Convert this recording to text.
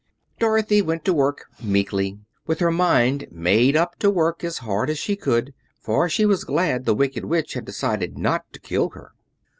Dorothy went to work meekly, with her mind made up to work as hard as she could; for she was glad the Wicked Witch had decided not to kill her.